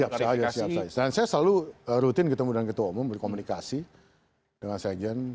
siap saya siap saja dan saya selalu rutin ketemu dengan ketua umum berkomunikasi dengan sekjen